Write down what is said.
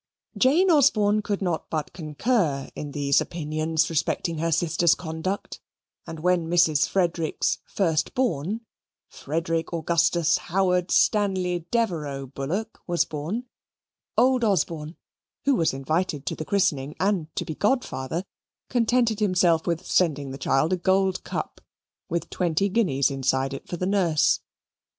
Jane Osborne could not but concur in these opinions respecting her sister's conduct; and when Mrs. Frederick's first born, Frederick Augustus Howard Stanley Devereux Bullock, was born, old Osborne, who was invited to the christening and to be godfather, contented himself with sending the child a gold cup, with twenty guineas inside it for the nurse.